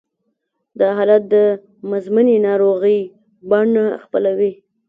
دا حالت د مزمنې ناروغۍ بڼه خپلوي